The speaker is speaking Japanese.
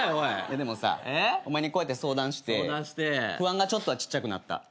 でもさお前にこうやって相談して不安がちょっとはちっちゃくなった。